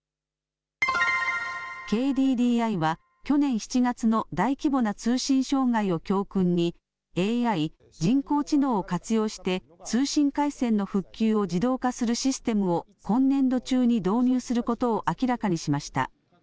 ＫＤＤＩは去年７月の大規模な通信障害を教訓に、ＡＩ・人工知能を活用して、通信回線の復旧を自動化するシステムを今年度中に導入することを明らかにしました。